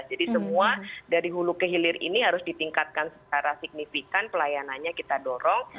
jadi semua dari hulu kehilir ini harus ditingkatkan secara signifikan pelayanannya kita dorong